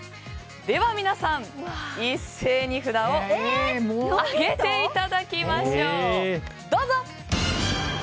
では皆さん、一斉に札を上げていただきましょう。